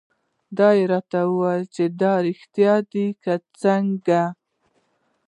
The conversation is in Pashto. دې راته وویل: دا رېښتیا دي که څنګه؟